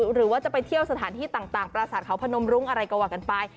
หรือว่าจะไปเที่ยวสถานที่ต่างประสาทเขาพนมรุ้งอะไรก็ว่ากันไป